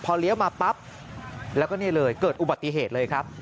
พอเลี้ยวมาปั๊บแล้วก็นี่เลยเกิดอุบัติเหตุเลยครับ